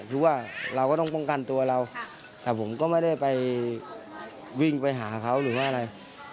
คือว่าเราก็ต้องป้องกันตัวเราแต่ผมก็ไม่ได้ไปวิ่งไปหาเขาหรือว่าอะไร